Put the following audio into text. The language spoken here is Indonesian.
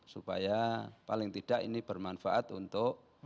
supaya paling tidak ini bermanfaat untuk